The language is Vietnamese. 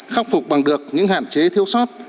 khắc phục bằng được những hạn chế thiếu sót